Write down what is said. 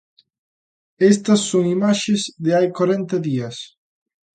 Estas son imaxes de hai corenta días.